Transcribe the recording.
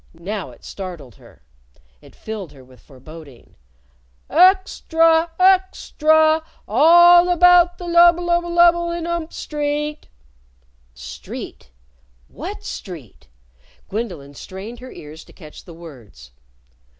Now it startled her. It filled her with foreboding. "Uxtra! Uxtra! A a all about the lubble lubble lubble in ump Street!" Street! What street? Gwendolyn strained her ears to catch the words.